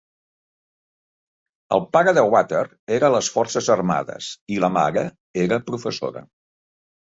El pare de Water era a les forces armades i la mare era professora.